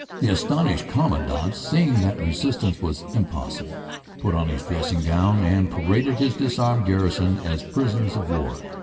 The astonished commandant, seeing that resistance was impossible, put on his dressing gown and paraded his disarmed garrison as prisoners of war.